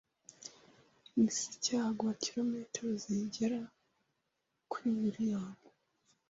n'isicyangwa kilometero zigera kuri miliyoni